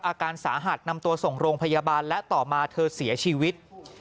อาการสาหัสนำตัวส่งโรงพยาบาลและต่อมาเธอเสียชีวิต